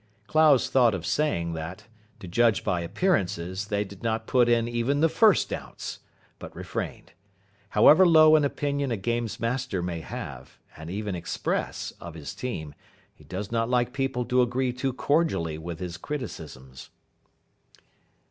Clowes thought of saying that, to judge by appearances, they did not put in even the first ounce; but refrained. However low an opinion a games' master may have and even express of his team, he does not like people to agree too cordially with his criticisms.